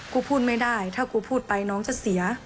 พูดไม่ได้ถ้ากูพูดไปน้องจะเสีย